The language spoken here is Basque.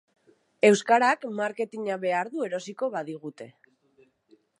Euskarak marketina behar du erosiko badigute.